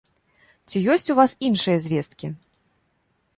Ці ёсць у вас іншыя звесткі?